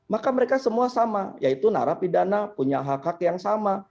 maka mereka semua sama yaitu narapidana punya hak hak yang sama